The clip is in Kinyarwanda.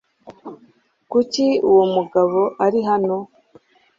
Kuki uwo mugabo ari hano?